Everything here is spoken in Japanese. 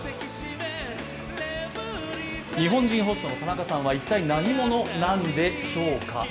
日本人ホストのタナカさんは一体何者なんでしょうか。